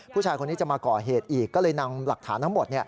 ผู้ชายคนนี้จะมาก่อเหตุอีกก็เลยนำหลักฐานทั้งหมด